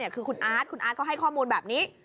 คือคุณอาร์ตคุณอาร์ตก็ให้ข้อมูลแบบนี้